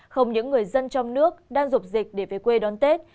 không những người dân trong nước đang dục dịch để về quê đón tết